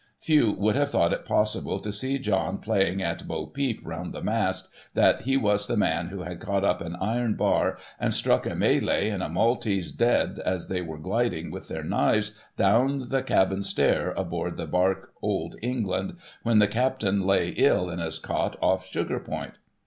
Few would have thought it possible, to see John playing at bo peep round the mast, that he was the man who had caught up an iron bar and struck a INIalay and a Maltese dead, as they were gliding with their knives down the cabin stair aboard the barque Old England, when the captain lay ill in his cot, off Saugar Point.